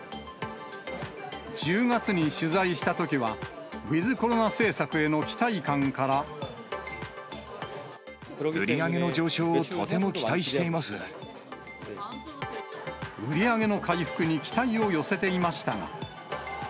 １０月に取材したときは、売り上げの上昇をとても期待売り上げの回復に期待を寄せていましたが。